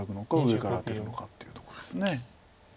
上からアテるのかっていうとこです。